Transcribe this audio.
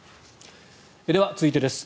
では、続いてです。